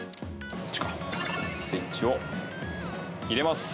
スイッチを入れます！